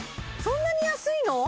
そんなに安いの！？